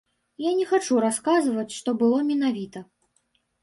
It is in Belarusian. Я не хачу расказваць, што было менавіта.